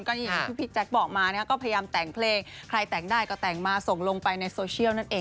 ก็อย่างที่พี่แจ๊คบอกมานะครับก็พยายามแต่งเพลงใครแต่งได้ก็แต่งมาส่งลงไปในโซเชียลนั่นเอง